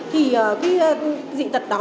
thì dị tật đó